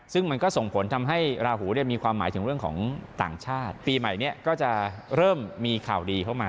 ซึ่งมันก็ส่งผลทำให้ราหูเนี่ยมีความหมายถึงเรื่องของต่างชาติปีใหม่นี้ก็จะเริ่มมีข่าวดีเข้ามา